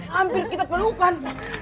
hampir kita pelukan